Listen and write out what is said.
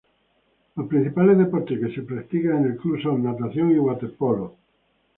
Los principales deportes que se practican en el club son natación y waterpolo.